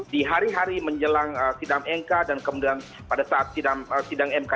di hari hari menjelang sidang mk dan kemudian pada saat sidang mk